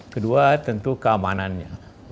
kedua tentu keamanannya